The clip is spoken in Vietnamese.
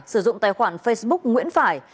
sử dụng tài khoản facebook nguyễn phải